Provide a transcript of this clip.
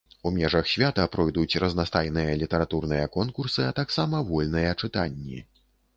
У межах свята пройдуць разнастайныя літаратурныя конкурсы, а таксама вольныя чытанні.